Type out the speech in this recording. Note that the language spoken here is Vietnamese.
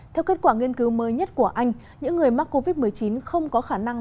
theo kết quả nghiên cứu mới nhất của anh những người mắc covid một mươi chín không có khả năng